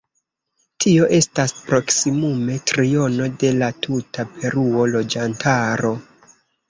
Tio estas proksimume triono de la tuta Peruo loĝantaro.